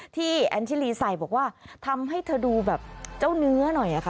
แอนชิลีใส่บอกว่าทำให้เธอดูแบบเจ้าเนื้อหน่อยค่ะ